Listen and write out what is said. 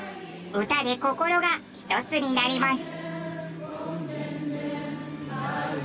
歌で心が一つになります。